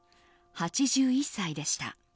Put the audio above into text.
８１歳でした。